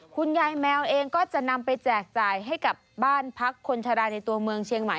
คุณยายแมวเองก็จะนำไปแจกจ่ายให้กับบ้านพักคนชะลาในตัวเมืองเชียงใหม่